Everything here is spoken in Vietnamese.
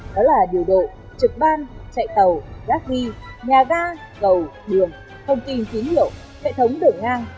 đó là điều đồ trực ban chạy tàu rác ri nhà ga cầu đường thông tin kín lộ hệ thống đường ngang